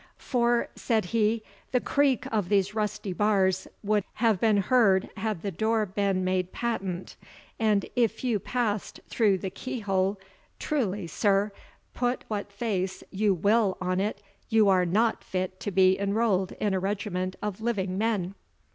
"For," said he, "the creak of these rusty bars would have been heard had the door been made patent; and if you passed through the keyhole, truly, sir, put what face you will on it, you are not fit to be enrolled in a regiment of living men."